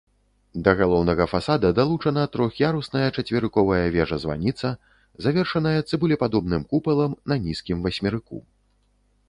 Да галоўнага фасада далучана трох'ярусная чацверыковая вежа-званіца, завершаная цыбулепадобным купалам на нізкім васьмерыку.